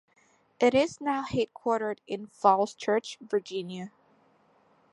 It is now headquartered in Falls Church, Virginia.